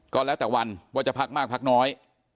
ก็แล้วแต่วันว่าจะพักมากพักน้อย